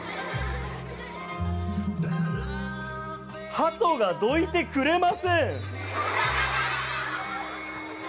ハトがどいてくれません！